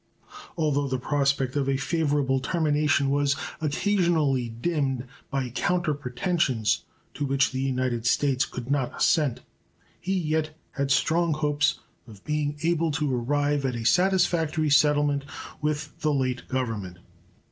Although the prospect of a favorable termination was occasionally dimmed by counter pretensions to which the United States could not assent, he yet had strong hopes of being able to arrive at a satisfactory settlement with the late Government.